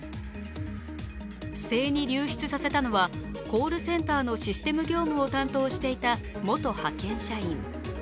不正に流出させたのはコールセンターのシステム業務を担当していた元派遣社員。